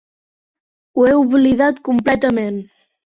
Ho he oblidat completament.